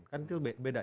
kan itu beda ya